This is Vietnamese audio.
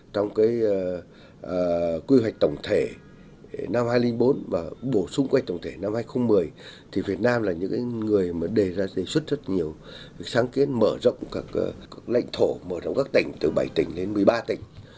từ bảy tỉnh đến một mươi ba tỉnh